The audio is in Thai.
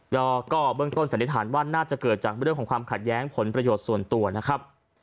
แล้วก็เบื้องต้นสันนิษฐานว่าน่าจะเกิดจากเรื่องของความขัดแย้งผลประโยชน์ส่วนตัวนะครับ